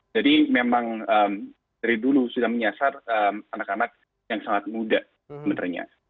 jadi memang dari dulu sudah menyasar anak anak yang sangat muda